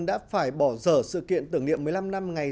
đã phải bỏ giờ sự kiện tưởng niệm một mươi năm năm ngày